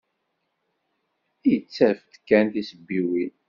Ittaf-d kan tisebbiwin.